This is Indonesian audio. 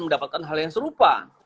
mendapatkan hal yang serupa